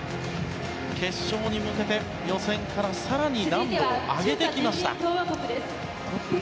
決勝に向けて、予選から更に難度を上げてきました。